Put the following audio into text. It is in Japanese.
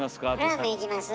「ラーメン行きます？」